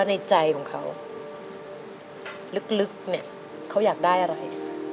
ในใจของเขาลึกเนี่ยเขาอยากได้อะไร